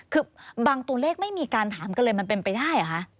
คือบางตัวเลขไม่มีการถามกันเลยมันเป็นไปได้เหรอคะ